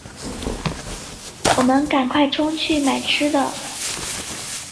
我们赶快冲去买吃的